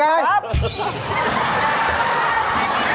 ถ้าเป็นปากถ้าเป็นปาก